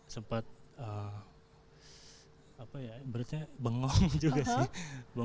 sempat apa ya berarti bengong juga sih